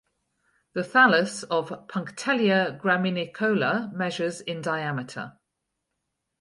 The thallus of "Punctelia graminicola" measures in diameter.